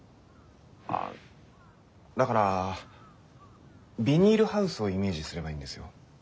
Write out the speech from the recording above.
ああだからビニールハウスをイメージすればいいんですよ。